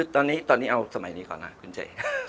ตอนนี้เอาสมัยนี้ก่อนนะคุณเจ